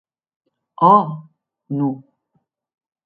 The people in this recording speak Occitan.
Ò!, non.